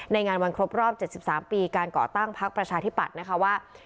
ในงานวันครบรอบ๗๓ปีการก่อตั้งพักประชาธิปัตย์นะคะว่า